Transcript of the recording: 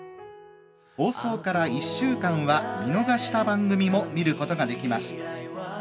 放送から１週間は見逃した番組も見ることができます。